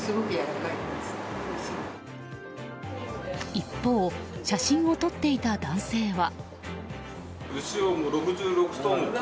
一方、写真を撮っていた男性は。